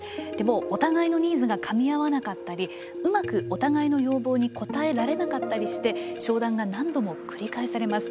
お互いのニーズがかみ合わなかったりうまくお互いの要望に応えられなかったりして商談が何度も繰り返されます。